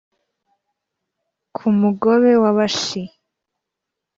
Ku mugobe w'Abashi